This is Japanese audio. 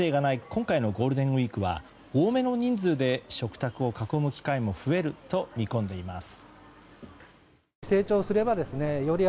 今回のゴールデンウィークは多めの人数で食卓を囲む機会も増えると見込んでいます。